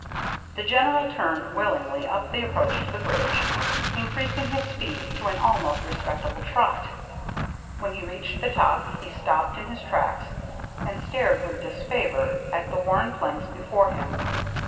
The General turned willingly up the approach to the bridge, increasing his speed to an almost respectable trot. When he reached the top he stopped in his tracks and stared with disfavor at the worn planks before him.